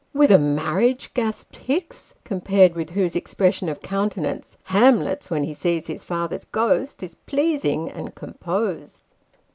" With a marriage !" gasped Hicks, compared with whose expression of countenance, Hamlet's, when he sees his father's ghost, is pleasing and composed.